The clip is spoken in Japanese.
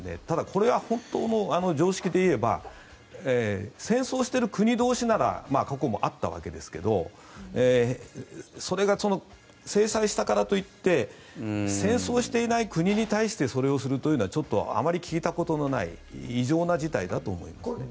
ただ、これは本当の常識でいえば戦争している国同士なら過去もあったわけですがそれが制裁したからと言って戦争していない国に対してそれをするというのはあまり聞いたことのない異常な事態だと思います。